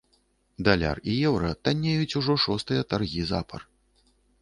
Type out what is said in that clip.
Даляр і еўра таннеюць ўжо шостыя таргі запар.